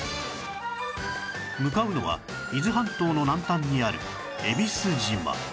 向かうのは伊豆半島の南端にある